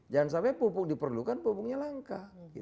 jangan sampai pupuk diperlukan pupuknya langka